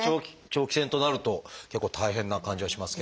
長期戦となると結構大変な感じがしますけれども。ですね。